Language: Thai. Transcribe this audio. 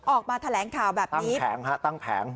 ออกมาแผงแขวนแบบนี้ตั้งแผงค่ะตั้งแผง